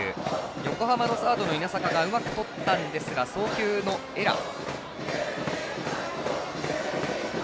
横浜のサードの稲坂がうまくとったんですが送球のエラー。